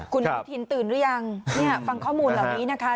คุณอนุทินตื่นหรือยังเนี่ยฟังข้อมูลเหล่านี้นะคะ